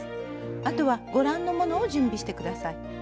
あとはご覧のものを準備して下さい。